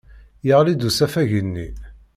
Yeɣli-d usafag-nni.